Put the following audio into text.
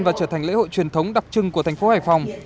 và trở thành lễ hội truyền thống đặc trưng của thành phố hải phòng